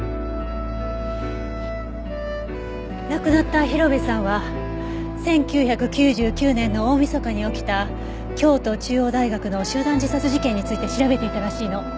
亡くなった広辺さんは１９９９年の大みそかに起きた京都中央大学の集団自殺事件について調べていたらしいの。